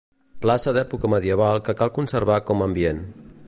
Plaça d'època medieval que cal conservar com ambient.